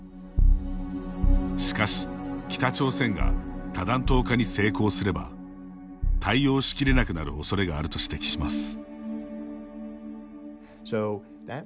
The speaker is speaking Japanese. しかし、北朝鮮が多弾頭化に成功すれば対応しきれなくなるおそれがあると指摘します。